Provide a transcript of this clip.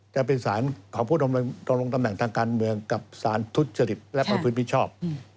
จะเป็นสารของผู้ดำรงตำแหน่งทางการเมืองกับสารทุจริตและประพฤติมิชชอบ